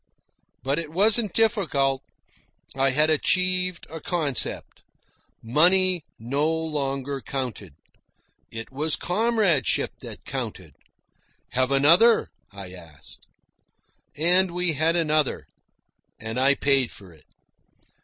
But it wasn't difficult. I had achieved a concept. Money no longer counted. It was comradeship that counted. "Have another?" I said. And we had another, and I paid for it.